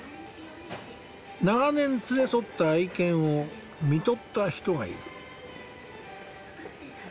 長年連れ添った愛犬を看取った人がいる。